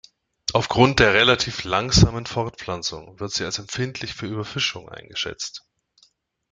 Aufgrund der relativ langsamen Fortpflanzung wird sie als empfindlich für Überfischung eingeschätzt.